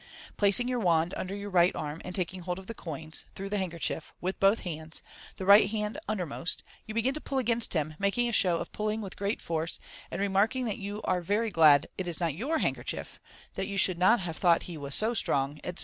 Placing your wand wilder your right arm, and taking hold of the coins (through the handkerchief) with both hands, the right hand undermost, you begin to pull against him, making a show of pulling with great force, and remarking that you are very glad it is not your handkerchief, that you should not have thought he was so strong,, etc.